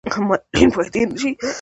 معلولین باید هیر نشي